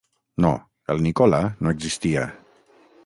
No, el Nicola, no existia.